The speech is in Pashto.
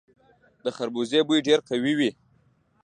د خربوزې بوی ډیر قوي وي.